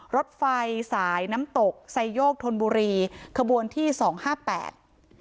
รถไฟสายน้ำตกไซโยกธนบุรีขบวนที่สองห้าแปด